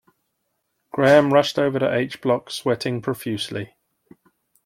Graham rushed over to H block, sweating profusely.